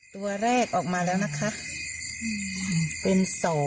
ตัวแรกออกมาแล้วนะคะเป็น๒